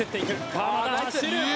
川真田、走る。